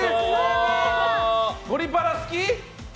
「ゴリパラ」好き？